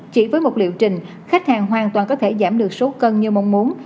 chỉ với một liệu trình khách hàng hoàn toàn có thể giảm được số cân như mong muốn